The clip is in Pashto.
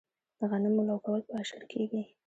د غنمو لو کول په اشر کیږي.